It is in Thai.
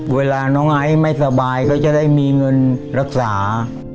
เวลาน้องไอซ์ไม่สบายก็จะได้มีเงินรักษา